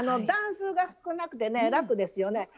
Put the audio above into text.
段数が少なくて楽ですよね。